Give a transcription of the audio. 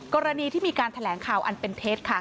กรณีที่มีการแถลงข่าวอันเป็นเท็จ